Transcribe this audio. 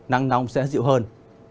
nắng nóng sẽ dịu hơn